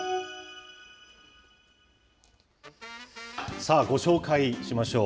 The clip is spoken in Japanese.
さあ、ご紹介しましょう。